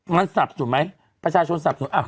มันซับจุดมั้ยประชาชนซับจุด